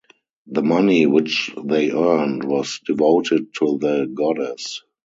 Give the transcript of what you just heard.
The money which they earned was devoted to the goddess.